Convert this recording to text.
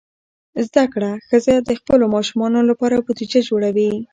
زده کړه ښځه د خپلو ماشومانو لپاره بودیجه جوړوي.